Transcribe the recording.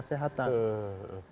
soal kepahitian jaminan kesehatan